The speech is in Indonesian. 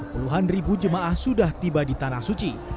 puluhan ribu jemaah sudah tiba di tanah suci